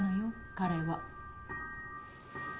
彼は。